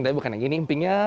tapi bukan yang gini empingnya